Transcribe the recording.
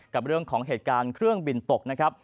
กับเรื่องของเหตุการณ์เครื่องบินตกนะครับ